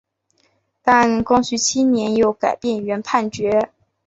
但光绪七年又改变原判决。